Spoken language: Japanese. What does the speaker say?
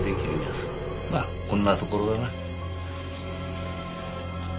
まあこんなところだな。